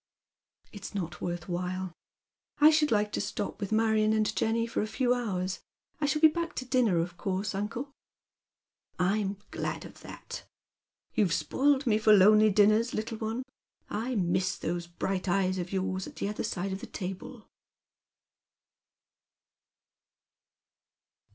" It's not worth while. I should like to stop with Marion and Jenny for a few hours. I shall be back to dinner, of course, uncle." *' I'm glad of that. You've spoiled me for lonely dinners, little one. I miss those bright eyes of yours at the other side of the table.'